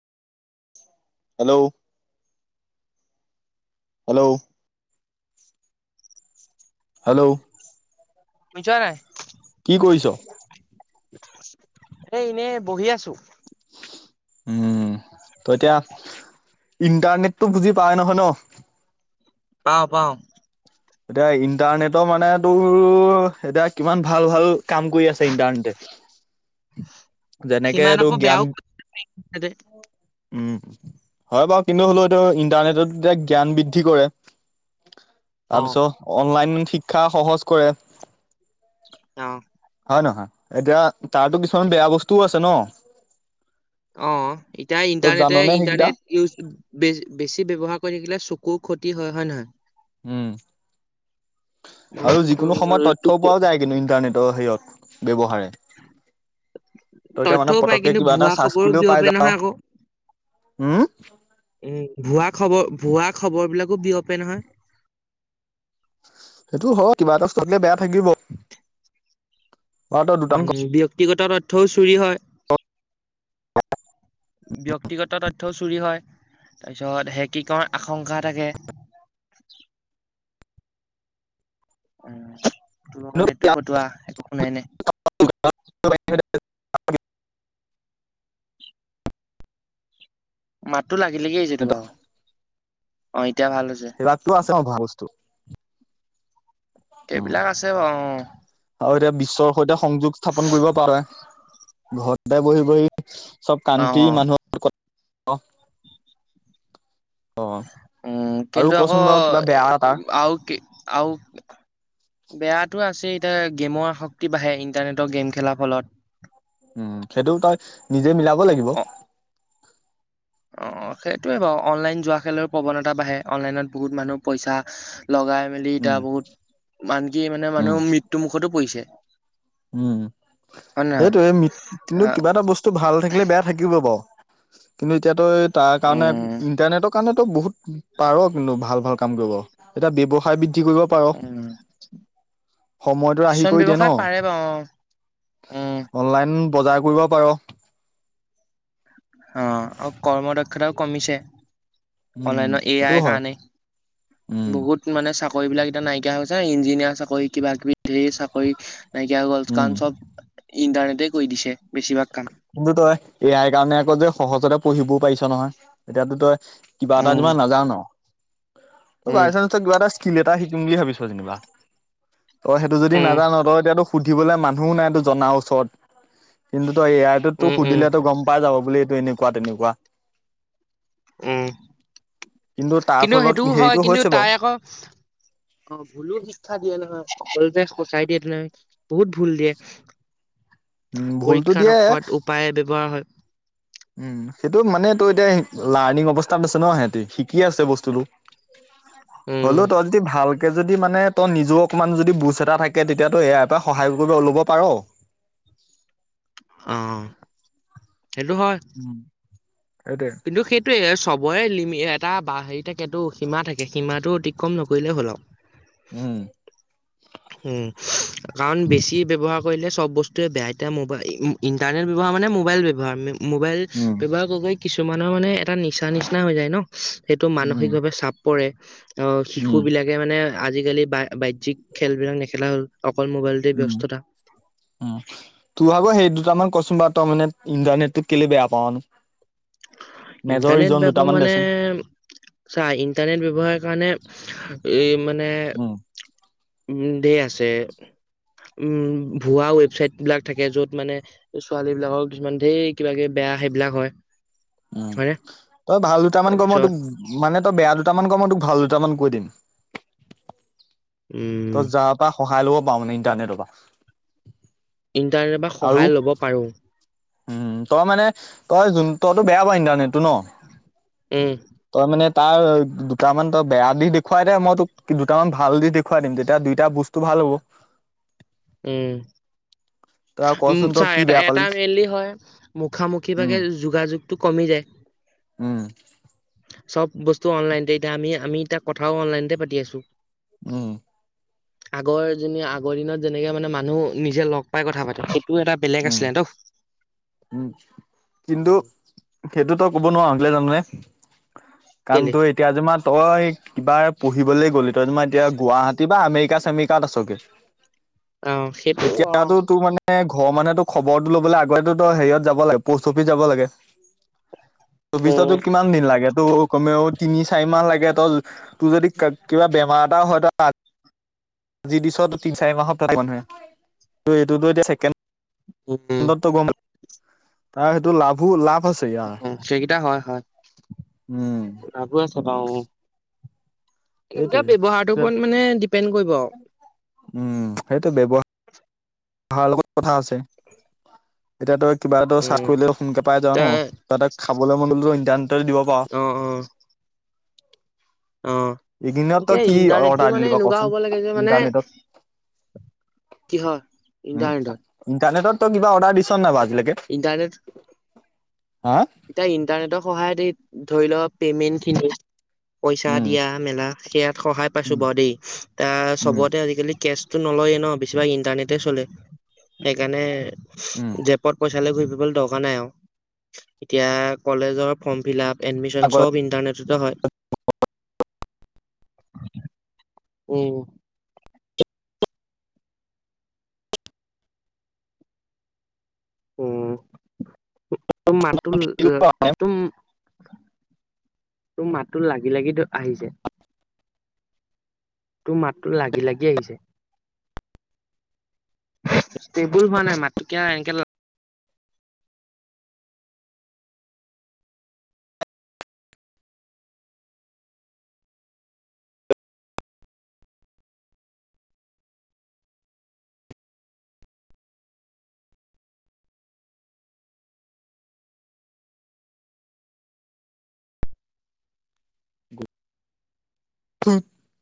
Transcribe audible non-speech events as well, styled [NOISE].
Hello, hello, hello, শুনিছানে নাই। কি কৰিছ। [UNINTELLIGIBLE] উম ত এতিয়া ইণ্টাৰনেটটো বুজি পাই নহয় ন পাও পাও এতিয়া ইণ্টাৰনেটৰ মানে তোৰ এতিয়া কিমান ভাল ভাল কাম কৰি আছে ইণ্টাৰনেটে যেনেকে সিমান টো আকৌ বেয়াও জ্ঞান কৰিছে উম হয় বাৰু কিন্তু হ'লেও এইটো ইন্টাৰনেটত এতিয়া জ্ঞান বৃদ্ধি কৰে অ তাৰপিছত অনলাইন শিক্ষা সহজ কৰে অ হয় নহ য় এতিয়া তাতো কিছুমান বেয়া বস্তুও আছে ন অ এতিয়া তই ইণ্টাৰনেটে জাননে সেইকেইটা ইণ্টাৰনেট ইউজে বেছি ব্য্ৱহাৰ কৰি থাকিলে চকু খতি হয় নহয় উম আৰু যিকোনো সময়ত তথ্য পোৱাও যায় কিন্তু ইন্টাৰনেটৰ হেয়ত ব্যৱহাৰে ত এতিয়া মানে তথ্যও পায় পতকে কিন্তু কিবা এটা ভুৱা চাৰ্জ খবৰো কৰিও বিয়পে পাই যা নহয় আকৌ হম উম ভুৱা খবৰ ভুৱা খবৰ বিলাকো বিয়পে নহয় [UNINTELLIGIBLE] দুটামান উম ব্যয়ক্তিগত তথ্যও চুৰি হয় ব্য্ক্তিগত ত চুৰি হয় তাৰপিছত সেই কি ক আশংকা থাকে [UNINTELLIGIBLE] উ তোৰ লগক এইটো ফটোৱা একো শুনাই নাই [UNINTELLIGIBLE] মাততো লাগি লাগি তোৰ সেইবিলাকতো ভাগৰ অ এতিয়া ভাল হৈছে। [UNINTELLIGIBLE] উম। সেইবিলাক আছে অ্ ঈৰ সৈতে সংযোগ স্থাপন কৰিব পাৰে ঘৰতে বহি বহি চব অ', কান্তি অ', মানুহৰ লগত অ উম আৰু কিন্তু কচোন আকৌ বাৰু কিবা বেয়া তাৰ আ কি আও বেয়াাতটো আছে এতিয়া গেমৰ আসক্তি বাঢ়ে ইণ্টাৰনেটৰ গেম খেলাৰ ফলত উম সেইটো তই নিজে মিলাব লাগিব অ', অ সেইটোয়ে বাৰু অনলাইন যোৱা খেলৰ প্ৰৱণতা বাঢ়ে অনলাইনত বহুত মানুহ পইচা লগাই মেলি উম এতিয়া বহুত আনকি মানে উম মানুহৰ মৃত্যু মুখতো পৰিছে উম হয় নে নহয়? সেইটোয়ে কিন্তু আহ কিবা এটা বস্তু ভাল থাকিলে বেয়া থাকিব বাৰু কিন্তু এতিয়াাতো তাৰ কাৰণে উম, ইন্টাৰনেটৰ কাৰণে বহুত পাৰ কিন্তু ভাল ভাল কাম কৰিব এতিয়া ব্য্ৱসায় বিদ কি কৰিব পাৰ উম, সময়টো আহি কিছুমান কৰি দে ন ব্যৱসায় পাৰে বাৰু অ', উম, অনলাইন বজাৰ কৰিব পাৰ অ আৰু কৰ্ম দক্ষাতাও কমিছে উম অনলাইনত এ সেইটো আই হয় কাৰণে উম বহুত মানে চাকৰি চাকৰি বিলাক এতিয়া নাইকিয়া হৈছে ইঞ্জিনিয়াৰ চাকৰি কিবা কিবি ঢেই চাকৰি নাইকিয়া হৈ গ'ল উম কাৰণ চব ইণ্টাৰনেটে কৰি দিছে বেছিভাগ ক কিন্তু তই এয়াই কাৰণে আকৌ যে সহজতে পঢ়িবও পাৰিছ নহয় এতিয়াতো তই কিবা এটা উম, যমান নাযাও ন ত উম, বাইচানঞ্চত কিবা এটা শিল এতটা শিকিম বুলি ভাবিছ যেনিবা তই সেইটো যদি উম, নাজান তই এতিয়াতটো সুধিবলে মান শু নাই তো জনাৰ ওচৰত কিন্তু তই এয়াৰটোত তো উম, উম সুধিলেতো গম পাই যাব বুলি এইটো এনো কোৱা তেনেকুৱা উম [INAUDIBLE] কিন্তু তাৰ ফলত সেইটোও হয় হেৰিতটো কিন্তু হৈছে বাৰু তাই [INAUDIBLE] আকৌ অ ভুলো শিক্ষা দিয়ে নহয় সকল সজাই দিয়ে তেনেহ বহুত ভুল দিয়ে উম [INAUDIBLE] ভুলতো পৰীক্ষাৰ দিয়ে সত উপায়ে ব্যৱহাৰ হয় উম সেইটো মানে তটো এতিয়া লাৰ্ণিং অৱস্থাত ন সিহতি শিকি আছে বস্তুটো উম, হলেও তই যদি ভালকে যদি মানে ত নিজে অকমান যদি বুজ এটা থাকে তেতিয়া তো ইয়াৰ পৰা সহায় কৰিব ওলব পাৰো [UNINTELLIGIBLE] অহ সেইটো হয় [INAUDIBLE] উম, সেইটোৱে। কিন্তু সেইটোয়ে চব হ'ব লিমি এটা হেৰি থাকেতটো সীমা থাকে সীমাটো অতিক্ৰম নকৰিলেই হ'ল উম উম কাৰণ বেছি ব্যৱহাৰ কৰিলে চব বস্তুৱে বেয়া এতিয়াোবাই ইণ্টাৰনেট ব্যৱহাৰ মানে মোবাইল ব্যৱহাৰ মোবাইল উম, ব্যৱহাৰ কৰিবৈ কিছুমানৰ মানে এটা নিচা নিচিনা হৈ যায় ন সেইটো উম, মানসিকভাৱে চাপ পৰে অ শিশু উম, বিলাকে মানে আজিকালি বা বাহক খেল বিলাক নেখেলা হ'ল অকল মোবাইলতে উম ব্যস্ততা উ তোৰ আগৌ সেই দুটামান কচোন বা তই মানে ইণ্টাৰনেট টো কেলে বেয়া পাৱানো [INAUDIBLE] ইণ্টাৰনেট বেয়াপৱা মানে চাই ইণ্টাৰনেট ব্যৱহাৰ কাৰণে [INAUDIBLE] এই মানে উম, উ ধেৰ আছে [INAUDIBLE] উম ভুৱা ৱেবচাইট বিলাক থাকে যত মানে ছোৱালী বিলাকৰ কিছুমান ধেৰ কিবাকি বেয়া য়া সেইবিলাক হয় উম হয়নে তই ভাল দুটামান কম তাৰপিছত তোক মানে তই বেয়া দুটামান কম তোক ভাল দুটা দুটামান কৈ দিম [INAUDIBLE] উম তই যাৰ পৰা সহায় ল'ব পাৰো মানে ইণ্টাৰনেটৰ পৰা [INAUDIBLE] ইণ্টাৰনেট বা আৰু সহায় লব পাৰো উম তই মানে তই যোন টোয় বেয়া ইটাৰনেটটো ন উম, তই মানে তাৰ দুটামান তই বেয়া দি দেখুৱাই দে মই তোক দুটামান ভাল দি দেখুৱাই দিম তেতিয়া দুইটা বস্তু ভাল হেল্লো [INAUDIBLE] উম [INAUDIBLE] উ কচোন তই চাহ কি এ বেয়া এটা পালি মেইলি হয় মুখামুখিভাগে উম যোগাযোগতটো কমি যায় উম [INAUDIBLE] চব বস্তু অনলাইনতে এতিয়া আমি আমি তাক কথাও অনলাইনতে পাতি আছো উম আগৰ যে আগৰ দিনত যেনেকে মানে মানুহ নিজে লগ পাই কথা পাতে এটা বেলেগ উম আছিলে ত। উম কিন্তু উম, সেইটোতো ক'ব নোৱাৰা যামে কাৰণ কেলে তই এতিয়া যেমা তই কিবা পঢ়িবলৈ গ'লি তই যোৰ এতিয়া গুৱাহাটী বা আমেৰি শিকা মিকাত আছগে অ' সেইটো অ' তেতিয়াতো তোৰ মানে ঘৰৰ মানুহেতো খবৰটো ল'বলে আগতে হেৰিয়ত যাব লাগে প'ষ্ট অফিচ যাব লাগে [INAUDIBLE] তবিছতো উম, কিমান দিন লাগে তটো কমেও তিনি চাৰি মাহ লাগে তই তোৰ যদি কিবা বেমাৰ এটা হয় আজি দিছত তি চাৰি মাহ সপ্তাহ মানুে ত এইটোতো এতিয়াছেকে উম, ন্দত্ব গম তাৰ সেইটো লাভো লাভ আছে ইয়াৰ উ সেইকেইটা হয় হয় উম লভো আছে বাৰ নিজৰ সেইটোৱে ব্যৱহাৰটোৰ ওপৰত মানে ডিপেণ্ড কৰিব আৰু পাৰ লগত কথা আছে এতিয়া তই কিবা এটা চাক উম, কৰিলে সোনকে পাই যাওঁ ন তাৰ তাতে খাবলৈ মনত দিব পাৰ'। অ', অ', অ'। এইদিনতো গতিকে কি ইণ্টাৰনেটটো অৰ্ডাৰ মানে দিলিব বা এনেকুৱা ক'চোন হ'ব লাগে যে মানে ইণ্টাৰনেটত। কিহৰ উম ইণ্টাৰনেটত ইণ্টাৰনেটত, কিবা অৰ্ডাৰ দিছ ন নাই বা আজিলৈকে? ইণ্টাৰনেট হা এতিয়া ইন্টাৰনেটৰ সহায়তে ধৰি লও পেমেন্ট খিনি, পইচা উম দিয়া মেলা সেয়াত সহায় পাইছো উম বাৰু দেই ত উম চবতে আজিকালি কেচ, নলয়ে ন' বেছিভাগ ইণ্টাৰনেটে চ'লে, সেইকাৰণে জেপত পইচা লৈ দৰকাৰ নাই আৰু, এতিয়া কলেজৰ ফৰ্ম ফিলাপ এডমিশ্চন চব ইণ্টাৰনেট ত হয়। উ'। অ', তুম মাতুল তুম তোৰ মাতটো লাগি লাগি আহিছে। তোৰ মাতটো লাগি লাগি আহিছে। ষ্টেবুল হোৱা নাই মাতটো কিয় এনেকে ল উ।